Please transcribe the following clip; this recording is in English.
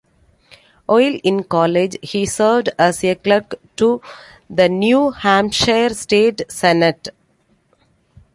While in college, he served as a clerk to the New Hampshire State Senate.